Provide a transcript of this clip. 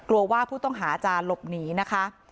ว่าผู้ต้องหาจะหลบหนีนะคะ